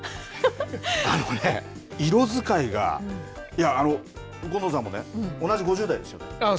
あのね、色使いが権藤さんもね同じ５０代ですよね。